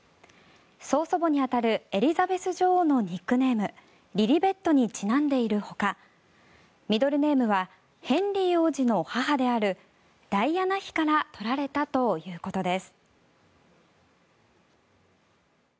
曾祖母に当たるエリザベス女王のニックネームリリベットにちなんでいるほかミドルネームはヘンリー王子の母であるダイアナ妃から取られたということです。